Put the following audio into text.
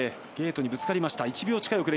ゲートにぶつかりました。